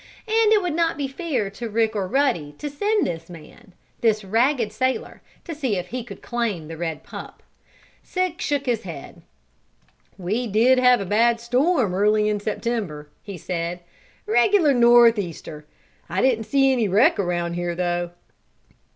And it would not be fair to Rick or Ruddy to send this man this ragged sailor to see if he could claim the red pup. Sig shook his head. "We did have a bad storm early in September," he said. "Regular north easter. I didn't see any wreck around here, though."